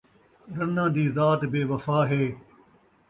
رناں دی ذات بے وفا ہے